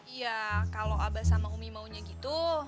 iya kalau abah sama umi maunya gitu